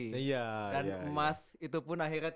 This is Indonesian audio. dan emas itu pun akhirnya